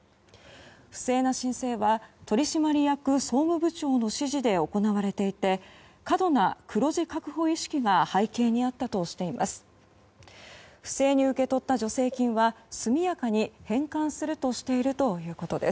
不正な申請は取締役総務部長の指示で行われていて過度な黒字確保意識が背景にあったとしています。